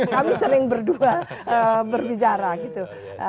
kami sering berdua berbicara gitu